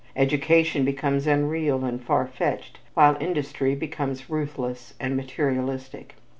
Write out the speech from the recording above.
Education becomes unreal and far fetched, while industry becomes ruthless and materialistic.